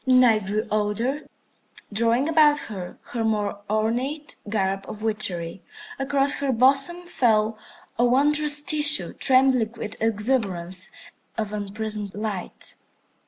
The Night grew older, drawing about her her more ornate garb of witchery. Across her bosom fell a wondrous tissue, trembling with exuberance of unprismed light.